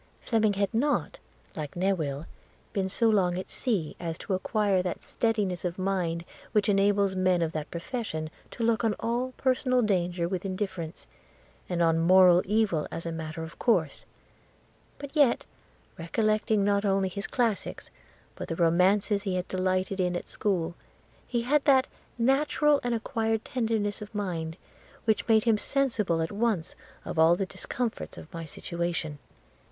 'Fleming had not, like Newill, been so long at sea as to acquire that steadiness of mind which enables men of that profession to look on all personal danger with indifference, and on moral evil as a matter of course. But yet, recollecting not only his classics, but the romances he had delighted in at school, he had that natural and acquired tenderness of mind which made him sensible at once of all the discomforts of my situation.